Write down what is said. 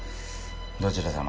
どちら様？